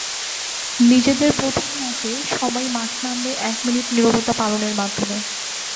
নিজেদের প্রথম ম্যাচে সবাই মাঠে নামবে এক মিনিট নীরবতা পালনের মাধ্যমে।